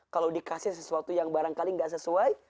kalau dikasih sesuatu yang barangkali nggak sesuai